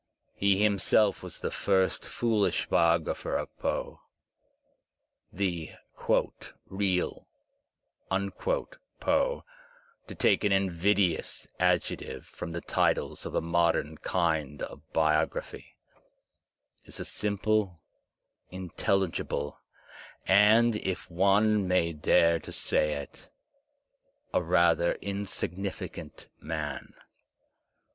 He himself was the first foolish biographer of Poe. The "real " Poe (to take an invidious adjective from the titles of a modem kind of biography) is a simple, intelligible, and if one may dare to say it, a rather insignificant man.